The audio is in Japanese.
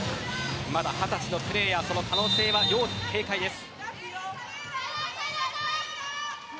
まだ２０歳のプレーヤーその可能性は要警戒です。